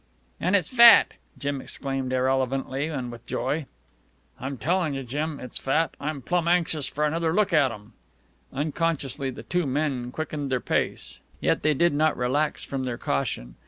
"An' it's fat!" Jim exclaimed irrelevantly and with joy. "I'm sure tellin' you, Jim, it's fat. I'm plum' anxious for another look at 'em." Unconsciously the two men quickened their pace. Yet they did not relax from their caution.